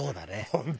本当。